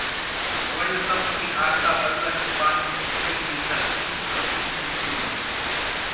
world cup की हार का बदला चुकाने उतरेगी दक्षिण अफ्रीकी टीम